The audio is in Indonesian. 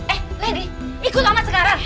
eh lady ikut amat sekarang